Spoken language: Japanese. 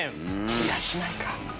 いやしないか？